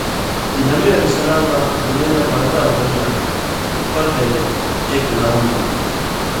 نبیؑ اں دُنیں نہ پڑدا ہُوئیں نہ پتَیں ایک لام مہ